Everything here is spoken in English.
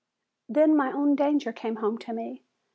Then my own danger came home to me.